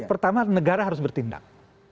pertama negara harus bertindak